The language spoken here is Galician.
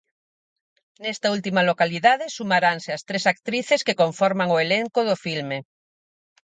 Nesta última localidade sumaranse as tres actrices que conforman o elenco do filme.